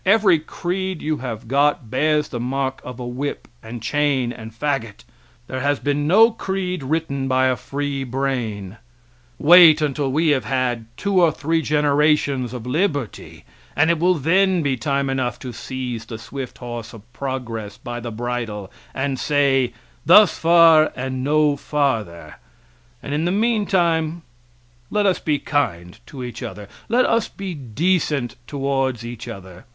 Every creed you have got bears the mark of whip, and chain, and fagot. There has been no creed written by a free brain. Wait until we have had two or three generations of liberty and it will then be time enough to seize the swift horse of progress by the bridle and say thus far and no farther; and in the meantime let us be kind to each other; let us be decent towards each other.